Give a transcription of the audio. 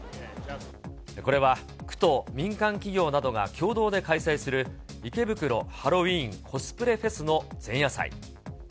これは、区と民間企業などが共同で開催する、池袋ハロウィンコスプレフェスの前夜祭。